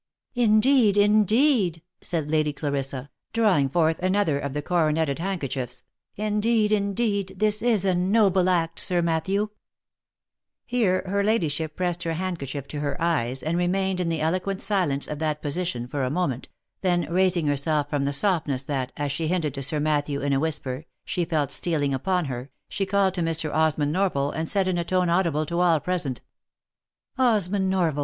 " Indeed, indeed," said Lady Clarissa, drawing forth another of the coronetted handkerchiefs, " indeed, indeed, this is a noble act, Sir Matthew !" 64 THE LIFE AND ADVENTURES Here her ladyship pressed her handkerchief to her eyes, and remained in the eloquent silence of that position for a moment, then raising herself from the softness that, as she hinted to Sir Matthew, in a whisper, she felt stealing upon her., she called to Mr. Osmond Norval, and said in a tone audible to all present, " Os mond Norval